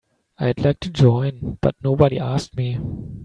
I'd like to join but nobody asked me.